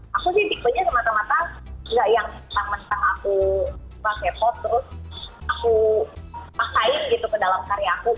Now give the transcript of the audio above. kayak aku sih tipenya semata mata gak yang mentang mentang aku suka k pop terus aku pasain gitu ke dalam karya aku